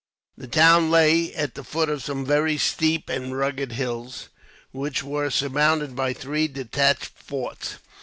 The town lay at the foot of some very steep and rugged hills, which were surmounted by three detached forts.